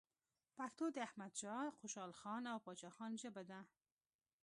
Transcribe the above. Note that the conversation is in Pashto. پښتو د احمد شاه خوشحالخان او پاچا خان ژبه ده.